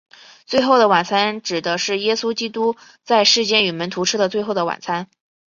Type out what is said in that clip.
最后的晚餐指的是耶稣基督在世间与门徒吃的最后的晚餐。